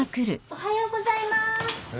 おはようございます。